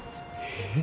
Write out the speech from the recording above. えっ？